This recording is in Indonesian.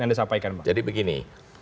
anda sampaikan bang jadi begini